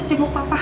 besok cengkup pak